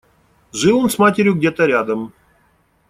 Жил он с матерью где-то рядом.